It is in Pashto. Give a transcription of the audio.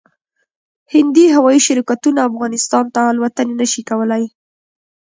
هندي هوايي شرکتونه افغانستان ته الوتنې نشي کولای